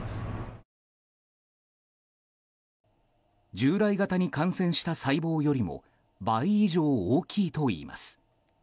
従来型に感染した細胞よりも倍以上大きいといいます。